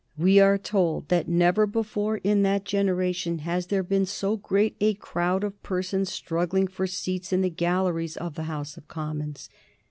We are told that never before in that generation had there been so great a crowd of persons struggling for seats in the galleries of the House of Commons.